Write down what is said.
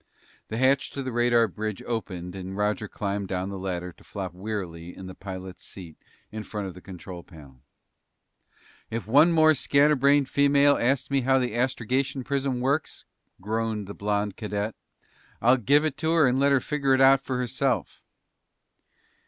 The hatch to the radar bridge opened and Roger climbed down the ladder to flop wearily in the pilot's seat in front of the control panel. "If one more scatterbrained female asks me how the astrogation prism works," groaned the blond cadet, "I'll give it to her and let her figure it out for herself!"